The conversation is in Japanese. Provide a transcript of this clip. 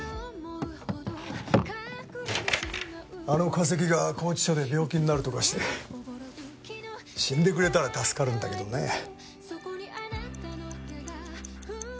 あの化石が拘置所で病気になるとかして死んでくれたら助かるんだけどね。